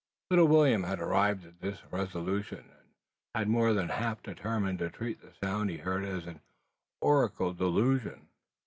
Little William had arrived at this resolution, and had more than half determined to treat the sound he had heard as an aurical delusion.